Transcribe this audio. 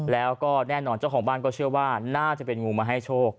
แล้วก็แน่นอนเจ้าของบ้านก็เชื่อว่าน่าจะเป็นงูมาให้โชค